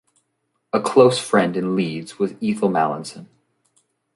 A close friend in Leeds was Ethel Mallinson.